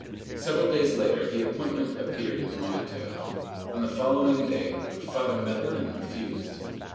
Several days later the appointment appeared in the Moniteur. On the following day Father Madeleine refused.